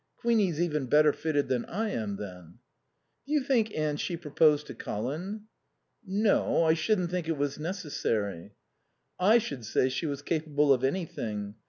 "Queenie's even better fitted than I am, then." "Do you think, Anne, she proposed to Colin?" "No. I shouldn't think it was necessary." "I should say she was capable of anything.